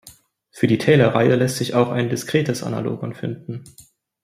Für die Taylorreihe lässt sich auch ein diskretes Analogon finden.